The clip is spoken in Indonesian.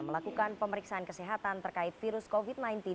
melakukan pemeriksaan kesehatan terkait virus covid sembilan belas